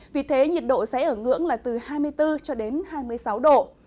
vì thế nhiệt độ sẽ ở ngưỡng là từ hai mươi bốn cho đến hai mươi sáu độ